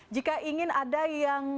jika ingin ada yang